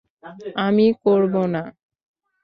আমি করব না।